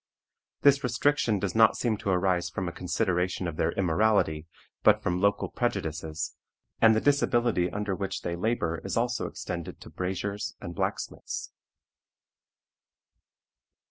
This restriction does not seem to arise from a consideration of their immorality, but from local prejudices, and the disability under which they labor is also extended to braziers and blacksmiths.